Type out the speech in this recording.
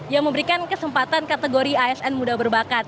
yang memberikan kesempatan kategori asn muda berbakat